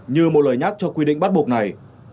như một lời nhắc cho quy định bắt buộc này